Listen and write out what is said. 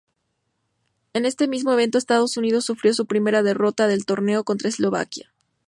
En ese mismo evento, Estados Unidos sufrió su primera derrota del torneo contra Eslovaquia.